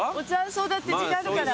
そうだって時間あるから。